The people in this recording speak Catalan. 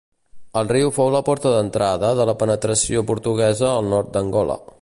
El riu fou la porta d'entrada de la penetració portuguesa al nord d'Angola.